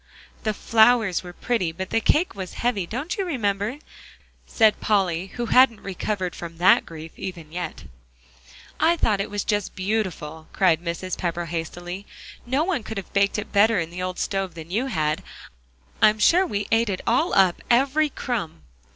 "The flowers were pretty, but the cake was heavy, don't you remember?" said Polly, who hadn't recovered from that grief even yet. "I thought it was just beautiful," cried Mrs. Pepper hastily. "No one could have baked it better in the old stove you had. I'm sure we ate it all up, every crumb."